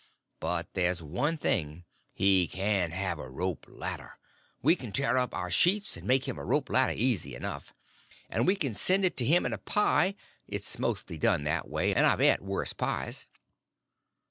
But there's one thing—he can have a rope ladder; we can tear up our sheets and make him a rope ladder easy enough. And we can send it to him in a pie; it's mostly done that way. And I've et worse pies."